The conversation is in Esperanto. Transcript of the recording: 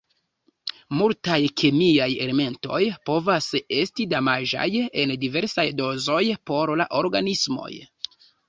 Multaj kemiaj elementoj povas esti damaĝaj en diversaj dozoj por la organismoj.